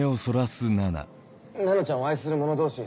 菜奈ちゃんを愛する者同士